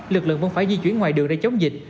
lực lượng vẫn phải di chuyển ngoài đường để chống dịch